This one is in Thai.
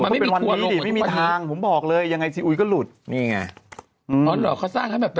ไม่มีทางผมบอกเลยยังไงอุ๋ยก็หลุดนี่ไงอ๋อเขาสร้างให้แบบเป็น